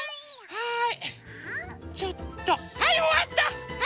はい！